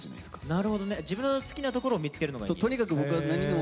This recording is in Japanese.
なるほどね自分の好きなところを見つけるのがいい。